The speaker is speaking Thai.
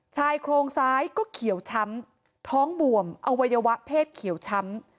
ชายโครงซ้ายก็เขียวช้ำท้องบวมอวัยวะเพศเขียวช้ำ